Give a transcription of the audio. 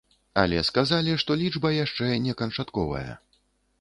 Але сказалі, што лічба яшчэ не канчатковая.